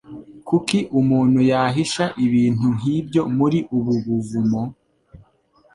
Kuki umuntu yahisha ibintu nkibyo muri ubu buvumo?